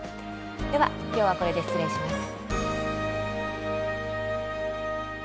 では、きょうはこれで失礼します。